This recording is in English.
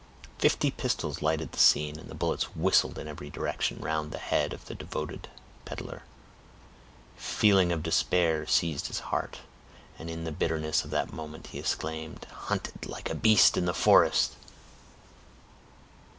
Fifty pistols lighted the scene, and the bullets whistled in every direction round the head of the devoted peddler. A feeling of despair seized his heart, and in the bitterness of that moment he exclaimed,— "Hunted like a beast of the forest!"